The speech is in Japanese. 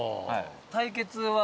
対決は。